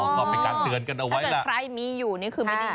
ก็เป็นการเตือนกันเอาไว้ล่ะใครมีอยู่นี่คือไม่ดี